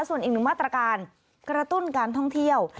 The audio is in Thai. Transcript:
ส่วนอีกหนึ่งมาตรการกระตุ้นการท่องเที่ยว